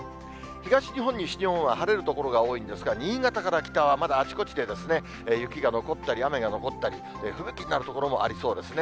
東日本、西日本は晴れる所が多いんですが、新潟から北は、まだあちこちで雪が残ったり、雨が残ったり、吹雪になる所もありそうですね。